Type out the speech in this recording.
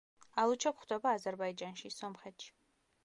ალუჩა გვხვდება აზერბაიჯანში, სომხეთში.